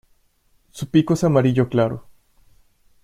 Su pico es amarillo claro.